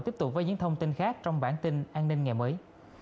tiếp tục với những thông tin khác trong bản tin an ninh ngày mới